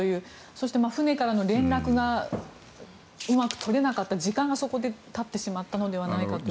そして船からの連絡がうまく取れなかった時間がそこでたってしまったのではないかと。